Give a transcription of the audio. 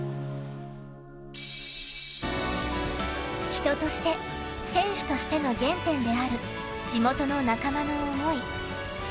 人として、選手としての原点である地元の仲間の思い。